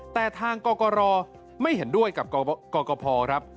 แต่ทางกรกรไม่เห็นด้วยกับกรกภครับ